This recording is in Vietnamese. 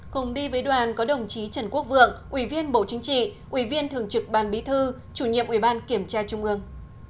cùng đi với đoàn có đồng chí trần quốc vượng ủy viên bộ chính trị ủy viên thường trực ban bí thư chủ nhiệm ủy ban kiểm tra trung ương